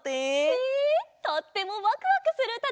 へえとってもワクワクするうただよね！